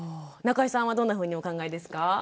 中井さんはどんなふうにお考えですか？